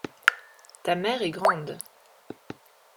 Ta mère est grande.